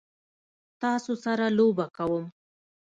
تاسو سره لوبه کوم؟